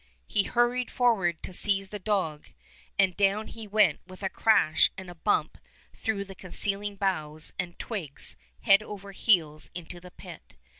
He hurried forward to seize the dog, and down he went with a crash and a bump through the concealing boughs and twigs head over heels into the pit.